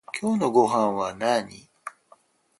今日のごはんなに？